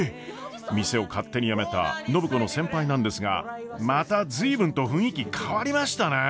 店を勝手に辞めた暢子の先輩なんですがまた随分と雰囲気変わりましたね。